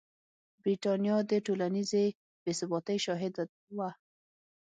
برېټانیا د ټولنیزې بې ثباتۍ شاهده وه.